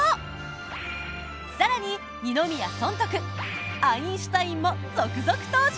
更に二宮尊徳アインシュタインも続々登場！